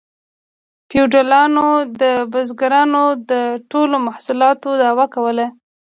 فیوډالانو د بزګرانو د ټولو محصولاتو دعوه کوله